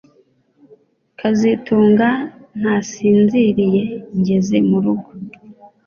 kazitunga ntasinziriye ngeze murugo